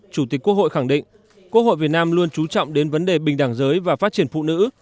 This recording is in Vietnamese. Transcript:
chủ tịch quốc hội khẳng định quốc hội việt nam luôn trú trọng đến vấn đề bình đẳng giới và phát triển phụ nữ